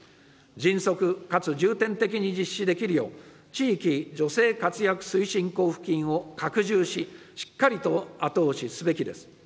迅速かつ重点的に実施できるよう、地域女性活躍推進交付金を拡充し、しっかりと後押しすべきです。